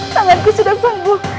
panganku sudah sembuh